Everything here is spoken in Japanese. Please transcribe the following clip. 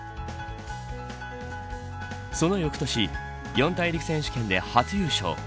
その翌年四大陸選手権で初優勝。